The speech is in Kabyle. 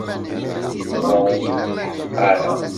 Yuba ur yetḥeqq ara.